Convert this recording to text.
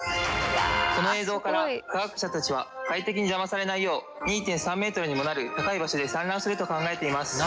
この映像から科学者たちは外敵に邪魔されないよう２．３ｍにもなる高い場所で産卵すると考えています。